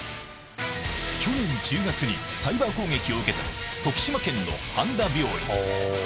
去年１０月にサイバー攻撃を受けた徳島県の半田病院。